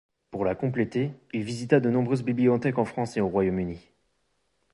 Pour la compléter, il visita de nombreuses bibliothèques en France et au Royaume-Uni.